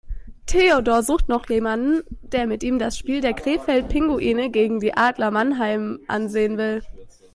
Theodor sucht noch jemanden, der mit ihm das Spiel der Krefeld Pinguine gegen die Adler Mannheim ansehen will.